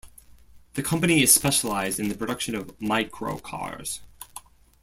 The company is specialized in the production of microcars.